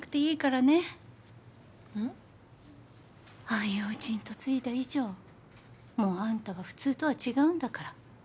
ああいうおうちに嫁いだ以上もうあんたは普通とは違うんだから。